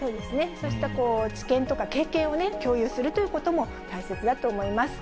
そうした知見とか、経験を共有するということも大切だと思います。